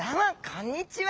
こんにちは。